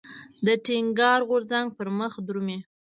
د ټينګار غورځنګ پرمخ درومي.